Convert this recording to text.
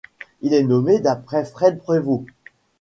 Il est nommé d'après Fred Prévost.